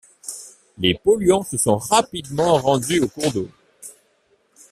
Les polluants se sont rapidement rendus au cours d'eau.